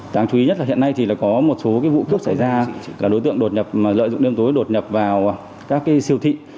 đáng chú ý nhất là hiện nay thì có một số vụ cướp xảy ra cả đối tượng đột nhập lợi dụng đêm tối đột nhập vào các siêu thị